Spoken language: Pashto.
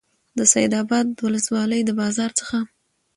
د سیدآباد د ولسوالۍ د بازار څخه